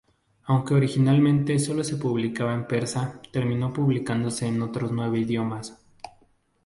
Aunque originalmente solo se publicaba en persa, terminó publicándose en otros nueve idiomas.